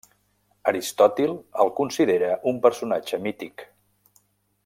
Aristòtil el considera un personatge mític.